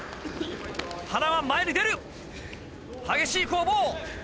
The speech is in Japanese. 塙前に出る激しい攻防。